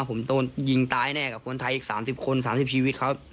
ผมโดนยิงตายแน่กับคนไทยอีก๓๐คน๓๐ชีวิตครับ